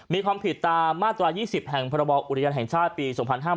มีความผิดตามมาตรา๒๐แห่งพบอุทยานแห่งชาติปี๒๕๕๙